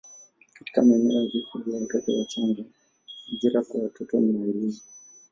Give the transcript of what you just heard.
katika maeneo ya vifo vya watoto wachanga, ajira kwa watoto na elimu.